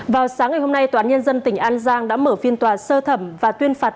vào sáng ngày hôm nay toán nhân dân tỉnh an giang đã mở phiên tòa sơ thẩm và tuyên phạt